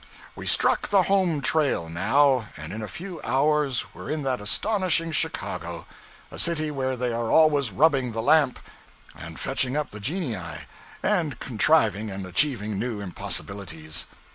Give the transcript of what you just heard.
We struck the home trail now, and in a few hours were in that astonishing Chicago a city where they are always rubbing the lamp, and fetching up the genii, and contriving and achieving new impossibilities.